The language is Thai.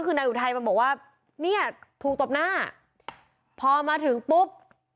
คือนายอุทัยมาบอกว่าเนี่ยถูกตบหน้าพอมาถึงปุ๊บ